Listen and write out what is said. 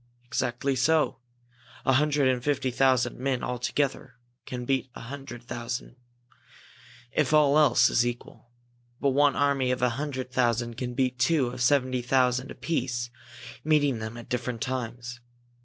"Exactly so! A hundred and fifty thousand men all together can beat a hundred thousand, if all else is equal. But one army of a hundred thousand can beat two of seventy five thousand apiece, meeting them at different times.